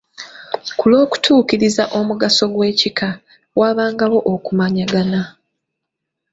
"Ku lw’okutuukiriza omugaso gw'ekika, waabangawo okumanyagana."